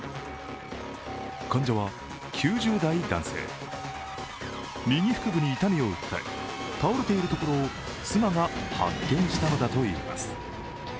患者は９０代男性、右腹部に痛みを訴え倒れているところを妻が発見したのだといいます。